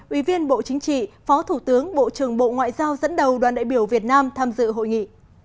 ủy viên bộ chính trị phó thủ tướng bộ trưởng bộ ngoại giao dẫn đầu đoàn đại biểu việt nam tham dự hội nghị